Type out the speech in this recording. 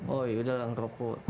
woy udah lah ngerokok